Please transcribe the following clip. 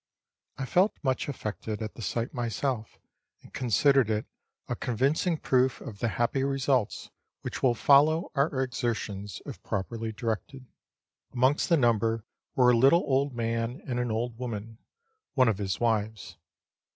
I felt much affected at the sight myself, and considered it a convincing proof of the happy results which will follow our exertions, if properly directed. Amongst the number were a little old man, and an old woman, one of his wives.